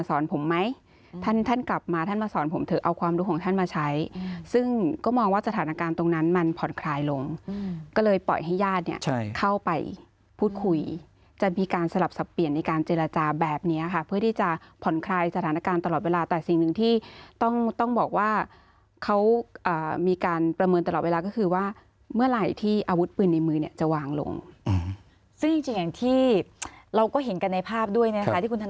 สถานการณตรงนั้นมันผ่อนคลายลงก็เลยปล่อยให้ญาติเข้าไปพูดคุยจะมีการสลับสับเปลี่ยนในการเจรจาแบบนี้ค่ะเพื่อที่จะผ่อนคลายสถานการณ์ตลอดเวลาแต่สิ่งหนึ่งที่ต้องบอกว่าเขามีการประเมินตลอดเวลาก็คือว่าเมื่อไหร่ที่อาวุธปืนในมือจะวางลงซึ่งจริงอย่างที่เราก็เห็นกันในภาพด้วยนะคะที่คุณ